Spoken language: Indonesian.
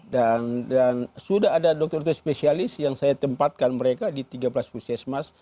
dan sudah ada dokter dokter spesialis yang saya tempatkan mereka di tiga belas puskesmas